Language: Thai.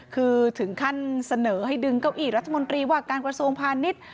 คือถึงขั้นเสนอให้ดึงเก้าอี้รัฐมนตรีว่าการกระทรวงพาณิชย์